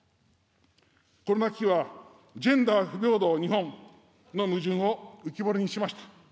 コロナ危機はジェンダー不平等・日本の矛盾を浮き彫りにしました。